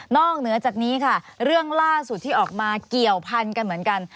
เหนือจากนี้ค่ะเรื่องล่าสุดที่ออกมาเกี่ยวพันกันเหมือนกัน